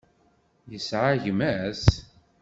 Yesεa gma-s?